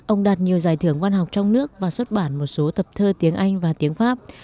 ông đạt nhiều giải thưởng văn học trong nước và xuất bản một số tập thơ tiếng anh và tiếng pháp